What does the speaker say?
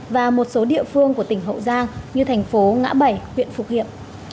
và một số địa phương của tỉnh hậu giang như thành phố ngã bảy huyện phục hiệp